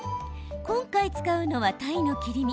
今回、使うのは鯛の切り身。